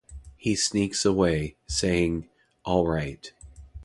He sneaks away saying, "Alright".